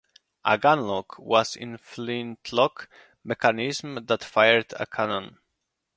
A "gunlock" was a flintlock mechanism that fired a cannon.